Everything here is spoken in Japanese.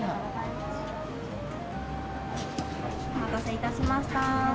お待たせいたしました。